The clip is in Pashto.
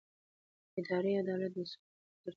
اداري عدالت د سولې ملاتړ کوي